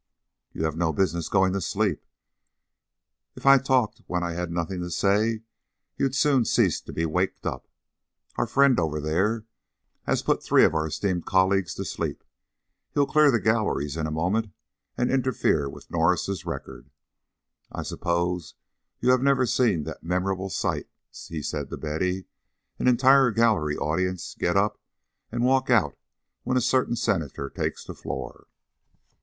"You have no business to go to sleep. If I talked when I had nothing to say, you'd soon cease to be waked up. Our friend over there has put three of our esteemed colleagues to sleep. He'll clear the galleries in a moment and interfere with Norris's record. I suppose you have never seen that memorable sight," he said to Betty: "an entire gallery audience get up and walk out when a certain Senator takes the floor?"